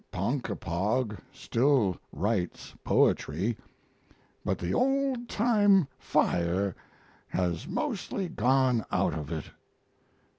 Ponkapog still writes poetry, but the old time fire has mostly gone out of it.